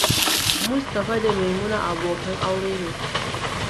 Mustapha da Maimuna abokan aure ne.